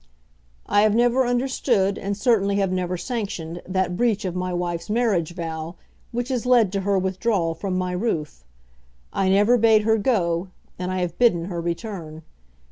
I have never understood, and certainly have never sanctioned, that breach of my wife's marriage vow which has led to her withdrawal from my roof. I never bade her go, and I have bidden her return.